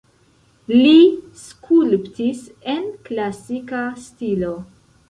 Li skulptis en klasika stilo.